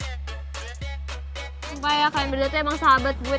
sumpah ya kalian berdua tuh emang sahabat gue